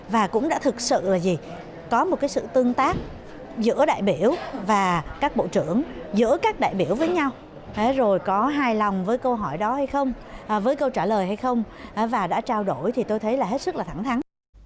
và cũng đã thực sự là gì có một sự tương tác giữa đại biểu và các bộ trưởng giữa các đại biểu với nhau rồi có hài lòng với câu hỏi đó hay không với câu trả lời hay không và đã trao đổi thì tôi thấy là hết sức là thẳng thắng